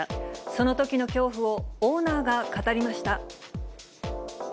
そのときの恐怖をオーナーが語りました。